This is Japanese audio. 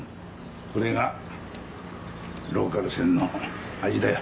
これがローカル線の味だよ。